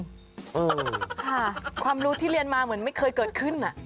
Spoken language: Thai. ค่ะความรู้ที่เรียนมาเหมือนไม่เคยเกิดขึ้น